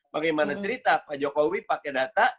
bagaimana cerita pak jokowi pakai data